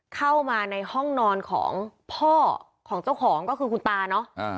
เข้ามาในห้องนอนของพ่อของเจ้าของก็คือคุณตาเนอะ